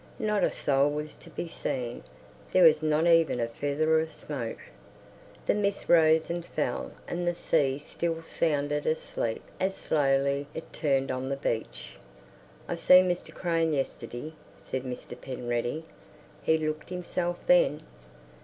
Not a soul was to be seen; there was not even a feather of smoke. The mist rose and fell and the sea still sounded asleep as slowly it turned on the beach. "I seen Mr. Crane yestiddy," said Mr. Penreddy. "He looked himself then.